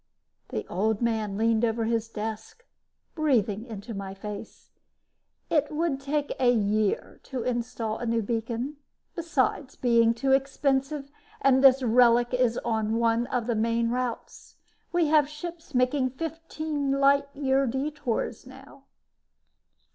The Old Man leaned over his desk, breathing into my face. "It would take a year to install a new beacon besides being too expensive and this relic is on one of the main routes. We have ships making fifteen light year detours now."